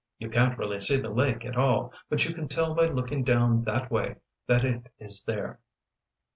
You can't really see the lake at all but you can tell by looking down that way that it is there."